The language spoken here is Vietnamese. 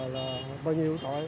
là bao nhiêu rồi